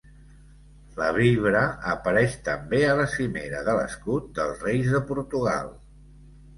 La vibra apareix també a la cimera de l'escut dels reis de Portugal.